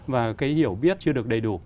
và cái hiểu biết chưa được đầy đủ